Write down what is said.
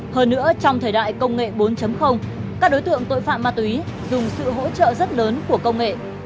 hơn nữa trong thời đại công nghệ bốn các đối tượng tội phạm ma túy dùng sự hỗ trợ rất lớn của công nghệ